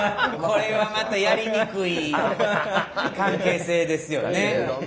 これはまたやりにくい関係性ですよね。